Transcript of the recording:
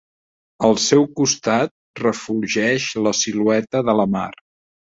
Al seu costat refulgeix la silueta de la Mar.